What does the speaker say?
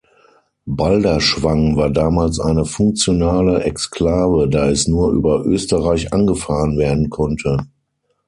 Balderschwang war damals eine funktionale Exklave, da es nur über Österreich angefahren werden konnte.